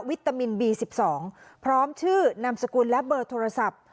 ตามินบี๑๒พร้อมชื่อนามสกุลและเบอร์โทรศัพท์